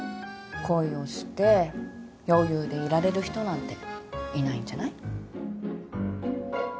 恋をして余裕でいられる人なんていないんじゃない？